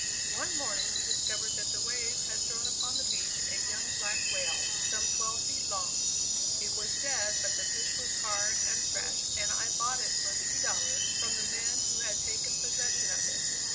One morning we discovered that the waves had thrown upon the beach a young black whale some twelve feet long. It was dead, but the fish was hard and fresh and I bought it for a few dollars from the men who had taken possession of it.